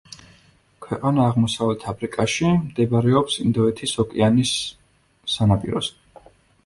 ქვეყანა აღმოსავლეთ აფრიკაში, მდებარეობს ინდოეთის ოკეანის სანაპიროზე.